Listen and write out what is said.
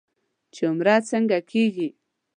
چې عمره څنګه کېږي.